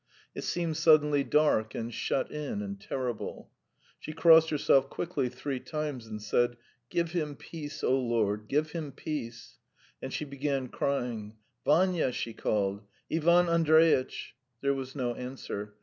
It seemed suddenly dark and shut in and terrible. She crossed herself quickly three times and said: "Give him peace, O Lord ... give him peace. ..." And she began crying. "Vanya," she called. "Ivan Andreitch!" There was no answer.